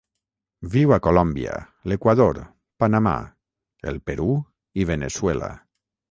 Viu a Colòmbia, l'Equador, Panamà, el Perú i Veneçuela.